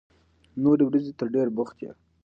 نورې ورځې ته ډېر بوخت يې.